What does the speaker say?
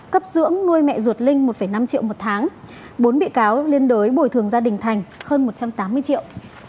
cấp dưỡng nuôi mẹ ruột linh một năm triệu một tháng bốn bị cáo liên đối bồi thường gia đình thành hơn một trăm tám mươi triệu